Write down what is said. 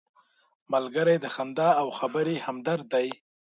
ملګری د خندا او خبرې همدرد دی